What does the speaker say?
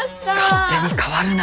勝手に代わるな。